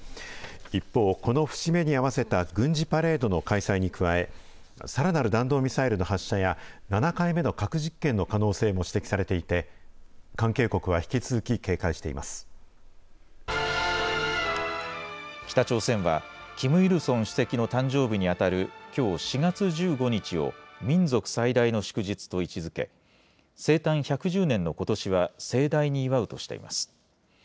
一方、この節目に合わせた軍事パレードの開催に加え、さらなる弾道ミサイルの発射や、７回目の核実験の可能性も指摘されていて、関係国は引き続き警戒北朝鮮は、キム・イルソン主席の誕生日に当たるきょう４月１５日を民族最大の祝日と位置づけ、生誕１１０年のことしは、盛大に祝うとしています。